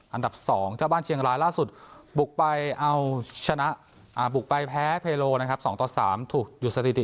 อันดับ๒เจ้าบ้านเชียงรายล่าสุดบุกไปแพ้เพโร๒๓ถูกหยุดสถิติ